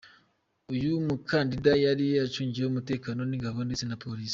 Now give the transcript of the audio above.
Uyu mukandida yari acungiwe umutekano n’ ingabo ndetse na polisi.